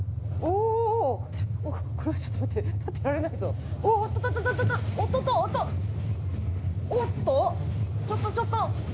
おっとちょっとちょっと。